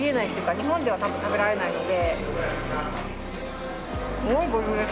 日本では多分食べられないので。